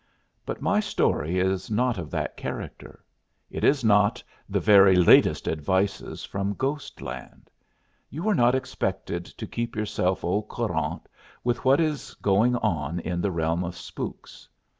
But my story is not of that character. It is not 'the very latest advices' from Ghostland. You are not expected to keep yourself au courant with what is going on in the realm of spooks.